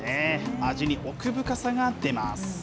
味に奥深さが出ます。